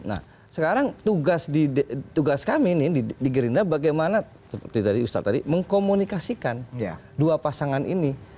nah sekarang tugas kami ini di gerindra bagaimana seperti tadi ustadz tadi mengkomunikasikan dua pasangan ini